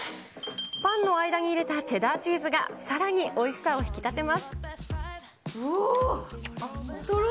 パンの間に入れたチェダーチーズが、さらにおいしさを引き立てまうおー。